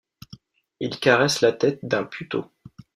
Il caresse la tête d'un putto.